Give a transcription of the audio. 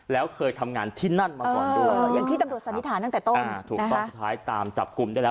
แล้วเคยทำงานที่นั่นมาก่อนด้วยอย่างที่ตำรวจสันนิษฐานตั้งแต่ต้นถูกต้องสุดท้ายตามจับกลุ่มได้แล้ว